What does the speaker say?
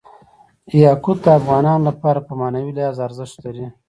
یاقوت د افغانانو لپاره په معنوي لحاظ ارزښت لري.